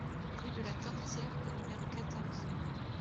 Rue de la Tortière au numéro quatorze